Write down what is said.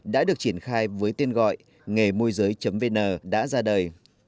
đã được triển khai với tên gọi nghềmua vn đã ra đời